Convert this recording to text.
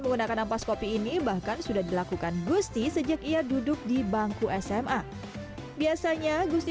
menggunakan ampas kopi ini bahkan sudah dilakukan gusti sejak ia duduk di bangku sma biasanya gusti